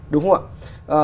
đúng không ạ